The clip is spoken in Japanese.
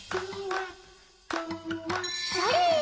それ！